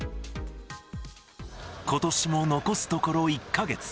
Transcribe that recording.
ことしも残すところ１か月。